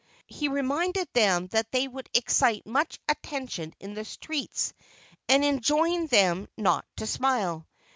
He reminded them that they would excite much attention in the streets, and enjoined them not to smile.